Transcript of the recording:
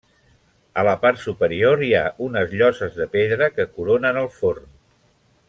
A la part superior hi ha unes lloses de pedra que coronen el forn.